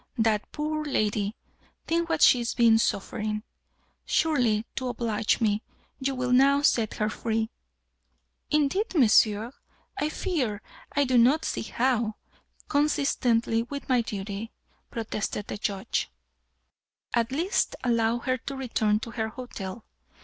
That poor lady! Think what she is suffering. Surely, to oblige me, you will now set her free?" "Indeed, monsieur, I fear I do not see how, consistently with my duty" protested the Judge. "At least allow her to return to her hotel.